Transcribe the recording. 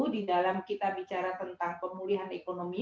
di dalam kita bicara tentang pemulihan ekonomi